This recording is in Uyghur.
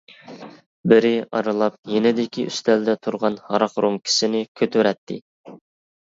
بىرى ئارىلاپ يېنىدىكى ئۈستەلدە تۇرغان ھاراق رومكىسىنى كۆتۈرەتتى.